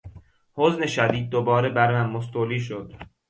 حزن شدید دوباره بر من مستولی شد.